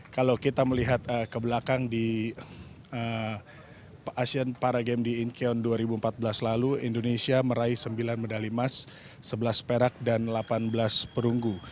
kalau kita melihat ke belakang di asian paragame di incheon dua ribu empat belas lalu indonesia meraih sembilan medali emas sebelas perak dan delapan belas perunggu